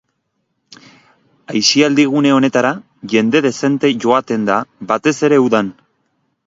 Aisialdi gune honetara jende dezente joaten da, batez ere udan.